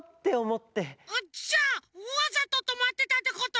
じゃあわざととまってたってこと？